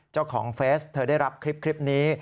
เจ้าของเฟสเธอได้รับคลิปนี้